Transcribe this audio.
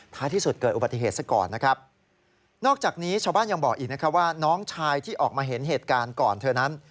ที่สุดเกิดอุบัติเหตุซะก่อนนะครับนอกจากนี้ชาวบ้านยังบอกอีกนะครับว่าน้องชายที่ออกมาเห็นเหตุการณ์ก่อนเธอนั้น